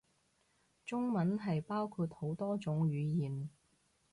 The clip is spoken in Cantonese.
中文係包括好多種語言